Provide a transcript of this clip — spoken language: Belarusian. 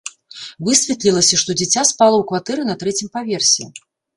Высветлілася, што дзіця спала ў кватэры на трэцім паверсе.